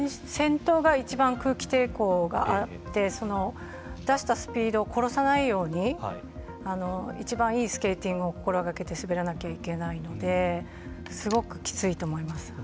先頭がいちばん空気抵抗があって出したスピードを殺さないようにいちばんいいスケーティングを心がけて滑らなきゃいけないのですごくきついと思います。